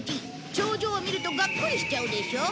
頂上を見るとがっくりしちゃうでしょ？